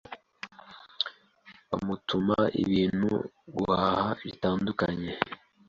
bamutuma ibintu guhaha bitandukanye